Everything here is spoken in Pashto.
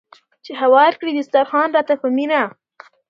چې هوار کړي دسترخوان راته په مینه